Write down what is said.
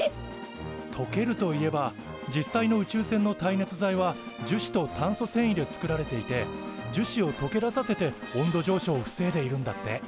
とけるといえば実際の宇宙船の耐熱材は樹脂と炭素繊維で作られていて樹脂をとけ出させて温度上昇を防いでいるんだって。